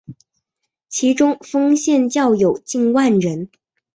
其中丰县教友近万人。